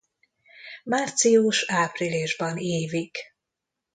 Március-áprilisban ívik.